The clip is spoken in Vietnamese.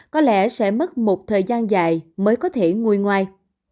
có lẽ sẽ mất một thời gian dài mới có thể nguôi ngoai